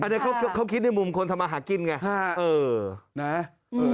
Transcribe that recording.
อันนี้เขาคิดในมุมคนทำมาหากินไง